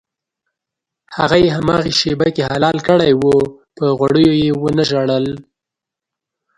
هغه یې هماغې شېبه کې حلال کړی و په غوړیو یې ونه ژړل.